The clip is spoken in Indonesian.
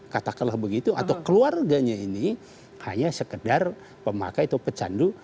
katakanlah begitu atau keluarganya ini hanya sekedar pemakai atau pecandu